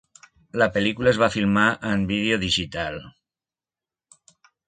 La pel·lícula es va filmar en vídeo digital.